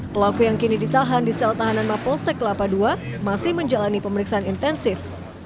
pelaku yang kini ditahan di sel tahanan mapolsek kelapa ii masih menjalani pemeriksaan intensif